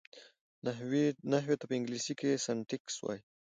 نحوي ته په انګلېسي کښي Syntax وایي.